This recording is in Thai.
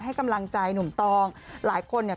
ให้กำลังใจหนุ่มตองหลายคนเนี่ย